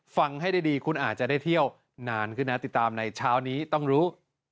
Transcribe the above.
ฟังให้ดีคุณอาจจะได้เที่ยวนานขึ้นนะติดตามในเช้านี้ต้องรู้